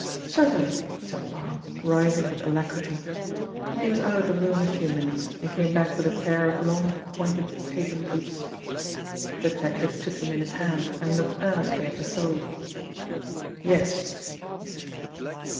"Certainly," said Marl, rising with alacrity. He was out of the room a few minutes, and came back with a pair of long pointed patent boots. The detective took them in his hand and looked earnestly at the sole. "Yes," he said.